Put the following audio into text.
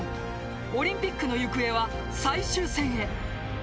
オリンピックの行方は最終戦へ。